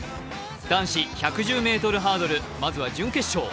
男子１１０ｍハードル、まずは準決勝。